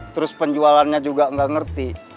terus penjualannya juga nggak ngerti